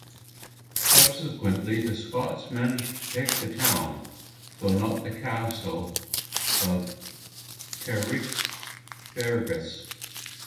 Subsequently, the Scots managed to take the town, though not the castle, of Carrickfergus.